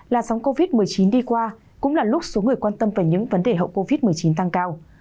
làn sóng covid một mươi chín đi qua cũng là lúc số người quan tâm về những vấn đề hậu covid một mươi chín tăng cao